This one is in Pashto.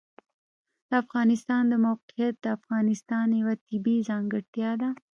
د افغانستان د موقعیت د افغانستان یوه طبیعي ځانګړتیا ده.